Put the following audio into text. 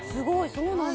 そうなんだ。